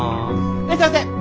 いらっしゃいませ！